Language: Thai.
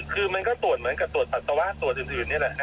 คือมันก็สวดเหมือนกับสวดสัตวะสวดอื่นนี่แหละ